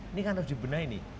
ini kan harus dibenahi nih